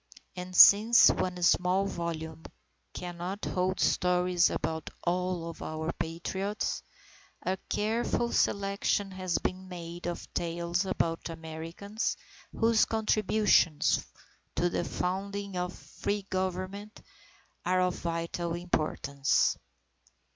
And since one small volume cannot hold stories about all of our Patriots, a careful selection has been made of tales about Americans whose contributions to the founding of free Government are of vital importance.